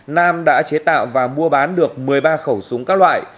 nam đã chế tạo và mua bán được một mươi ba khẩu súng các loại